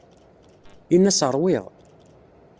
Ini-as ṛwiɣ.